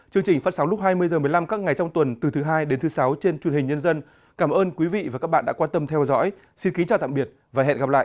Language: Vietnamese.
chương trình phát sóng lúc hai mươi h một mươi năm các ngày trong tuần từ thứ hai đến thứ sáu trên truyền hình nhân dân cảm ơn quý vị và các bạn đã quan tâm theo dõi xin kính chào tạm biệt và hẹn gặp lại